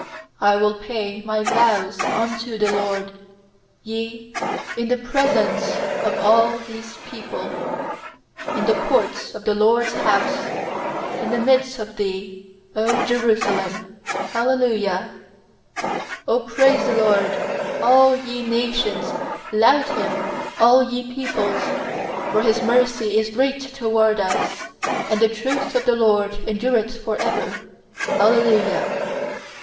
18I will pay my vows unto the LORD, Yea, in the presence of all His people; 19In the courts of the LORD'S house, In the midst of thee, 0 Jerusalem. Hallelujah. 1 1 *7 0 praise the LORD, all ye nations; Laud Him, all ye peoples. 2 For His mercy is great toward us; And the truth of the LORD en dureth for ever. Hallelujah.